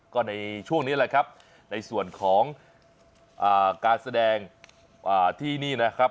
ก็ในช่วงนี้แหละครับในส่วนของการแสดงที่นี่นะครับ